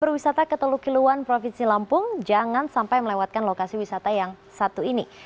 perwisata ketelukiluan provinsi lampung jangan sampai melewatkan lokasi wisata yang satu ini